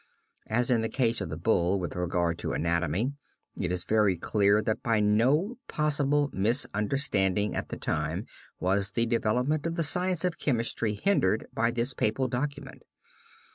As in the case of the Bull with regard to anatomy, it is very clear that by no possible misunderstanding at the time was the development of the science of chemistry hindered by this papal document.